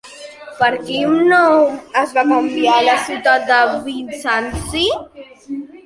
Per quin nom es va canviar la ciutat de Bizanci?